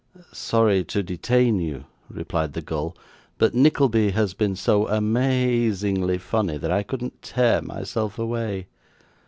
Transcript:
'Sorry to detain you,' replied the gull; 'but Nickleby has been so ama azingly funny that I couldn't tear myself away.